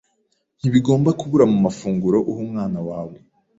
ntibigomba kubura mu mafunguro uha umwana wawe.